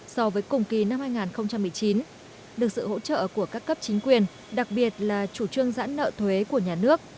so với cùng kỳ năm hai nghìn một mươi chín được sự hỗ trợ của các cấp chính quyền đặc biệt là chủ trương giãn nợ thuế của nhà nước